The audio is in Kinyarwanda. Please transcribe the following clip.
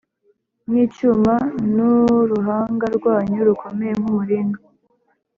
Nk icyuma n n uruhanga rwanyu rukomeye nk umuringa